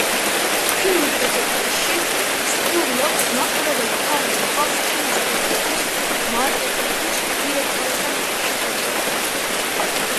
ფილმის დასაწყისში სპურლოკს მაყურებელი თან მიჰყავს კინოსტუდიების მარკეტინგის დირექტორებთან შეხვედრაზე.